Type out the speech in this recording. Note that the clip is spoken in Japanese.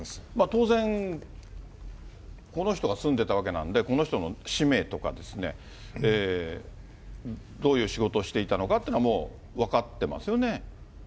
当然、この人が住んでたわけなので、この人の氏名とか、どういう仕事をしていたのかってのは、もう分かってますよね。